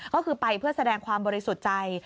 ก็คือไปเพื่อแสดงความบริสุทธิ์ใจ